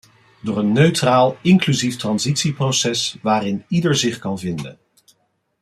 Door een neutraal, inclusief transitieproces waarin ieder zich kan vinden.